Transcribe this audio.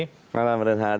selamat malam ustaz